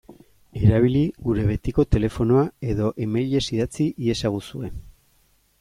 Erabili gure betiko telefonoa edo emailez idatz iezaguzue.